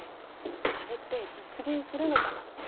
あれって実現するのかな？